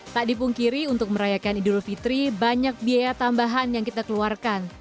tak dipungkiri untuk merayakan idul fitri banyak biaya tambahan yang kita keluarkan